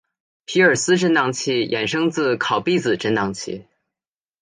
皮尔斯震荡器衍生自考毕子振荡器。